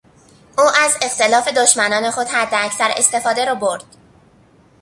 او از اختلاف دشمنان خود حداکثر استفاده را برد.